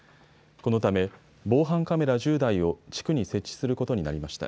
このため防犯カメラ１０台を地区に設置することになりました。